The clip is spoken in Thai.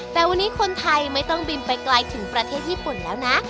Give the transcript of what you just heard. แต่วันนี้คนไทยไม่ต้องบินไปไกลถึงประเทศญี่ปุ่นแล้วนะ